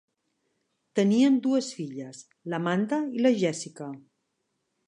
Tenien dues filles, l'Amanda i la Jessica.